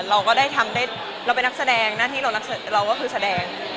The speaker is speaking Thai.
เราก็ได้ทำได้เราเป็นนักแสดงหน้าที่เรารักเราก็คือแสดง